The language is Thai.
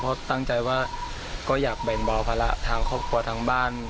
เพราะตั้งใจว่าก็อยากแบ่งเบาภาระทางครอบครัวทางบ้าน